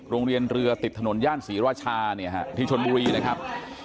โรงเรียนเรือติดถนนย่านศรีราชาเนี่ยฮะที่ชนบุรีนะครับ